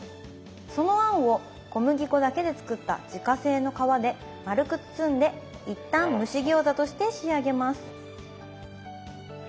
その餡を小麦粉だけで作った自家製の皮で丸く包んで一旦蒸し餃子として仕上げます